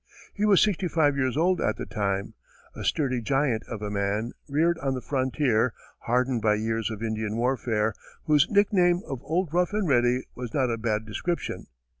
He was sixty five years old at the time, a sturdy giant of a man, reared on the frontier, hardened by years of Indian warfare, whose nickname of "Old Rough and Ready" was not a bad description.